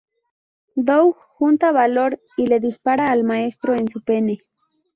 Doug junta valor y le dispara al maestro en su pene.